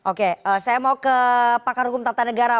oke saya mau ke pak yang hukum tata negara